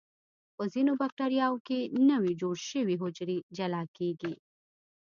په ځینو بکټریاوو کې نوي جوړ شوي حجرې جلا کیږي.